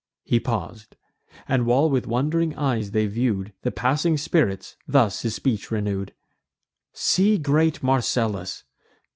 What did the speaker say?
He paus'd; and, while with wond'ring eyes they view'd The passing spirits, thus his speech renew'd: "See great Marcellus!